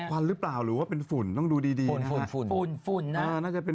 เหมาะฟันหรือเปล่าหรือเป็นฝุ่นต้องดูดีนะครับ